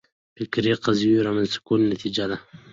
فکري قضیو رامنځته کولو نتیجه ده